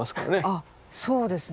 あっそうですね。